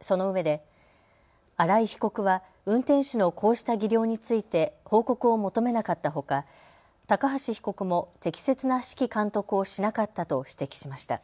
そのうえで荒井被告は、運転手のこうした技量について報告を求めなかったほか高橋被告も適切な指揮監督をしなかったと指摘しました。